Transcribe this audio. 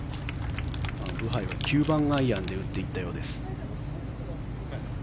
ブハイは９番アイアンで打っていったようです。